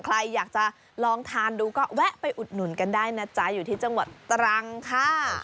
ใครอยากจะลองทานดูก็แวะไปอุดหนุนกันได้นะจ๊ะอยู่ที่จังหวัดตรังค่ะ